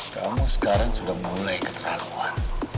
kamu sekarang sudah mulai keterlaluan